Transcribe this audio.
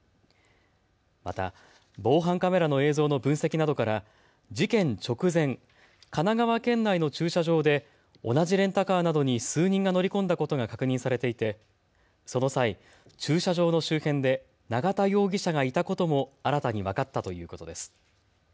また防犯カメラの映像の分析などから事件直前、神奈川県内の駐車場で同じレンタカーなどに数人が乗り込んだことが確認されていてその際、駐車場の周辺で永田容疑者がいたことも新たに分かったということです。